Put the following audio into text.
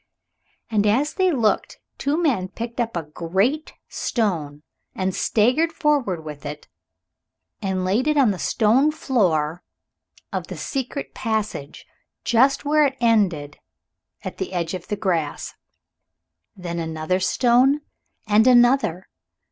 And as they looked two men picked up a great stone and staggered forward with it and laid it on the stone floor of the secret passage just where it ended at the edge of the grass. Then another stone and another.